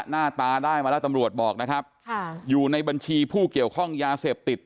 หน้าตาได้มาแล้วตำรวจบอกนะครับค่ะอยู่ในบัญชีผู้เกี่ยวข้องยาเสพติด